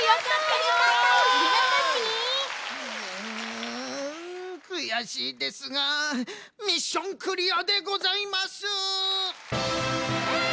んくやしいですがミッションクリアでございます！